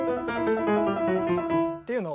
っていうのを。